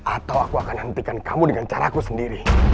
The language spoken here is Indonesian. atau aku akan hentikan kamu dengan cara aku sendiri